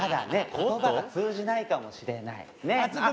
言葉が通じないかもしれないねあっ